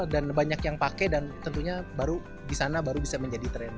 dan banyak yang pakai dan tentunya baru di sana baru bisa menjadi trend